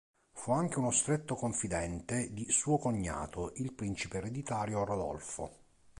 Fu anche uno stretto confidente di suo cognato, il principe ereditario Rodolfo.